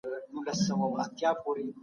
حضوري ټولګي زده کوونکي د بدن ژبه تمرينول.